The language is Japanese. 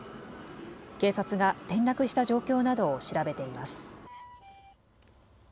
警察が転落した状況などを調べています。